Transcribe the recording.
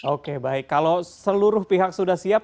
oke baik kalau seluruh pihak sudah siap